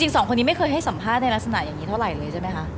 สองคนนี้ไม่เคยให้สัมภาษณ์ในลักษณะอย่างนี้เท่าไหร่เลยใช่ไหมคะ